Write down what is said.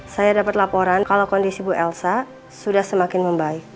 saya dapat laporan kalau kondisi bu elsa sudah semakin membaik